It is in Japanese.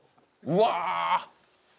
うわ。